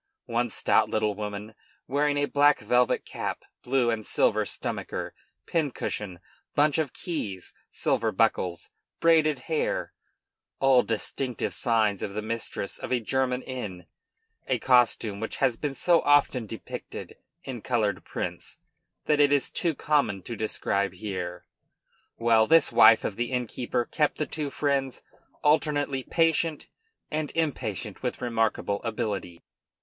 One stout little woman, wearing a black velvet cap, blue and silver stomacher, pincushion, bunch of keys, silver buckles, braided hair, all distinctive signs of the mistress of a German inn (a costume which has been so often depicted in colored prints that it is too common to describe here), well, this wife of the innkeeper kept the two friends alternately patient and impatient with remarkable ability.